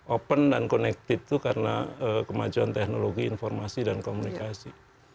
open dan connected itu karena kemajuan teknologi informasi dan komunikasi